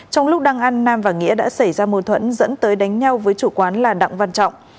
trong lúc đang ăn nam và nghĩa đã xảy ra mâu thuẫn dẫn tới đánh nhau với chủ quán là đặng văn trọng